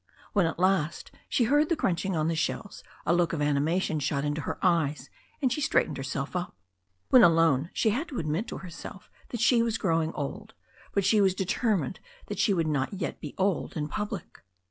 When at last she heard the crunching on the shells a look of animation shot into her eyes and she straightened herself up. When alone, she had to admit to herself that she was growing old, but she was determined that she would not yet be old in public.